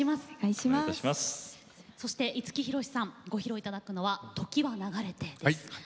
五木ひろしさんご披露いただくのは「時は流れて」です。